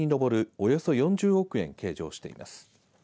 およそ４０億円計上しています。